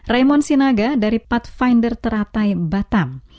raymond sinaga dari pathfinder teratai batam